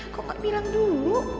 kok gak bilang dulu